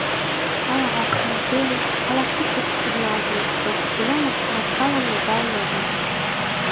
Ала вашкымыж дене, ала кидше чытырналтын, только пуля маскалан логалын огыл.